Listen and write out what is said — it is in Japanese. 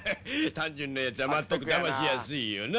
単純なやつはまったくだましやすいよな」